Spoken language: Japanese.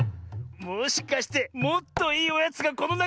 もしかしてもっといいおやつがこのなかに。